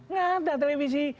nggak ada televisi